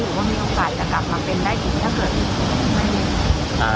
หรือว่ามีอุปกรณ์อินสัตว์กลับมาเป็นได้ถึงถ้าเกิดไม่ได้